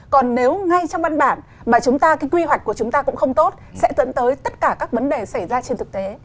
còn nếu ngay trong văn bản mà chúng ta cái quy hoạch của chúng ta cũng không tốt sẽ dẫn tới tất cả các vấn đề xảy ra trên thực tế